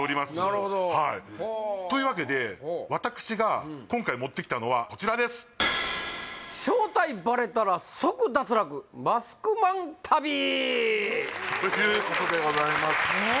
なるほどはあというわけで私が今回持ってきたのはこちらですということでございます